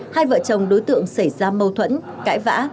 hai vợ chồng đối tượng xảy ra mâu thuẫn cãi vã